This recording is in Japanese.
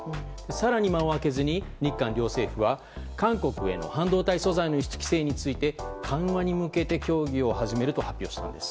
更に、間を空けずに日韓両政府は韓国への半導体素材の輸出規制について緩和に向けて協議を始めると発表したんです。